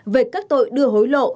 về các tội đưa hối lộ